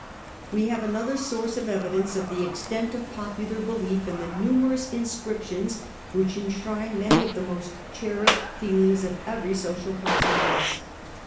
We have another source of evidence of the extent of popular belief in the numerous inscriptions which en shrine many of the most cherished feelings of every social class and race.